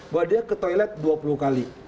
bahwa dia ke toilet dua puluh kali